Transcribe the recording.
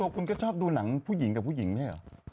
คุณก็ชอบดูหนังผู้หญิงกับผู้หญิงด้วยเหรอ